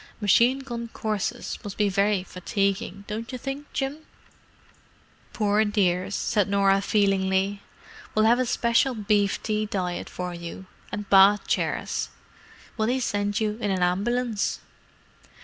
"Machine gun courses must be very fatiguing, don't you think, Jim?" "Poor dears!" said Norah feelingly. "We'll have a special beef tea diet for you, and bath chairs. Will they send you in an ambulance?"